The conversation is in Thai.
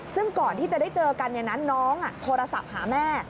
ซึ่งก่อนที่จะได้เจอกันน้องโทรศัพท์หาแม่